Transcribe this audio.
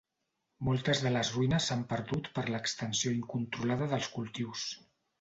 Moltes de les ruïnes s'han perdut per l'extensió incontrolada dels cultius.